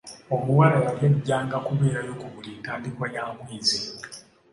Omuwala yali ajjanga kubeerayo ku buli ntandikwa ya mwezi.